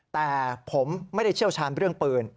แต่ผมไม่ได้เชี่ยวชาญเรื่องปืน